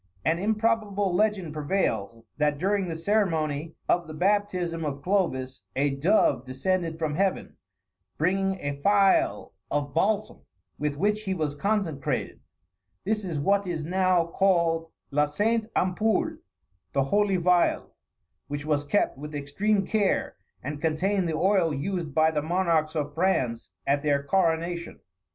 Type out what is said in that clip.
An improbable legend prevails, that during the ceremony of the baptism of Clovis, a dove descended from Heaven, bringing a phial of balsam, with which he was consecrated. This is what is now called La Sainte Ampoule, the Holy Phial; which was kept with extreme care, and contained the oil used by the monarchs of France at their coronation.